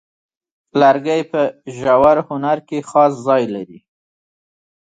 لرګی په ژور هنر کې خاص ځای لري.